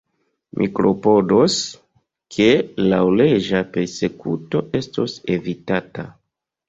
Mi klopodos, ke laŭleĝa persekuto estos evitata.